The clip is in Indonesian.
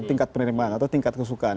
tingkat penerimaan atau tingkat kesukaan